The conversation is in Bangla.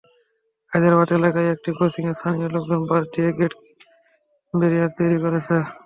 হায়দরাবাদ এলাকায় একটি ক্রসিংয়ে স্থানীয় লোকজন বাঁশ দিয়ে গেট ব্যারিয়ার তৈরি করেছেন।